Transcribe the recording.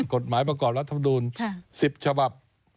กฎหมายประกอบรัฐมนูล๑๐ฉบับ